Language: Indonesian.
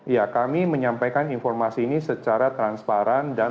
ya kami menyampaikan informasi ini secara transparan dan